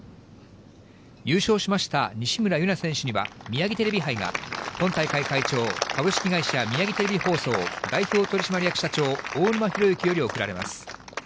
優勝しました西村優菜選手にはミヤギテレビ杯が、今大会会長、株式会社宮城テレビ放送代表取締役社長、大沼裕之より贈られます。